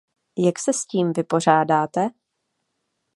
Jak se s tím vypořádáte?